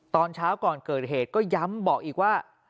ตอนเช้าก่อนเกิดเหตุก็ย้ำบอกอีกว่า